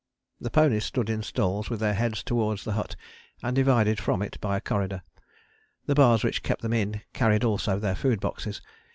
The ponies stood in stalls with their heads towards the hut and divided from it by a corridor; the bars which kept them in carried also their food boxes.